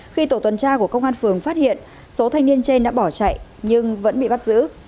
khi tổ tuần tra của công an phường phát hiện số thanh niên trên đã bỏ chạy nhưng vẫn bị bắt giữ